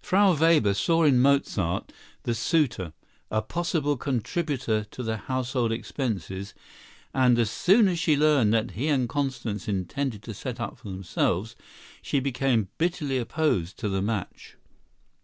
Frau Weber saw in Mozart, the suitor, a possible contributor to the household expenses, and as soon as she learned that he and Constance intended to set up for themselves, she became bitterly opposed to the match.